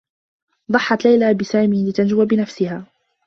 ضحّت ليلى بسامي لتنجو بنفسها.